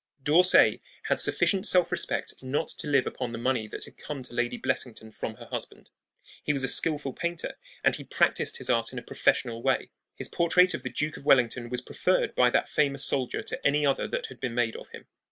D'Orsay had sufficient self respect not to live upon the money that had come to Lady Blessington from her husband. He was a skilful painter, and he practised his art in a professional way. His portrait of the Duke of Wellington was preferred by that famous soldier to any other that had been made of him.